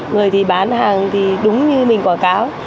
người thì bán hàng thì đúng như mình quảng cáo